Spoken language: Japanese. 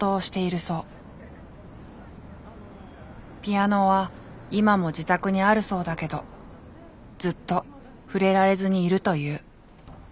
ピアノは今も自宅にあるそうだけどずっと触れられずにいるという。